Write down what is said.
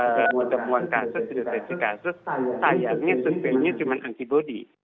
dan semua temuan kasus di depan kasus sayangnya surveinya cuma antibody